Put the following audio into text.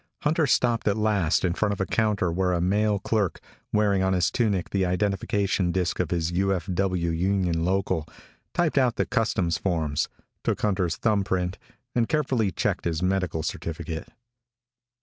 Hunter stopped at last in front of a counter where a male clerk, wearing on his tunic the identification disc of his U.F.W. union local, typed out the customs forms, took Hunter's thumbprint, and carefully checked his medical certificate.